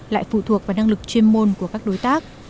lại phụ thuộc vào năng lực chuyên môn của các đối tác